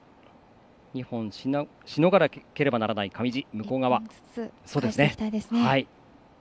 ２本しのがなければならない上地。